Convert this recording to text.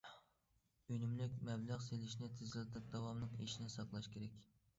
ئۈنۈملۈك مەبلەغ سېلىشنى تېزلىتىپ، داۋاملىق ئېشىشنى ساقلاش كېرەك.